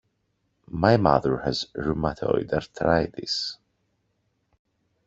My mother has rheumatoid arthritis.